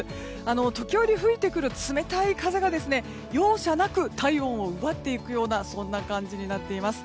時折吹いてくる冷たい風が容赦なく体温を奪っていくような感じになっています。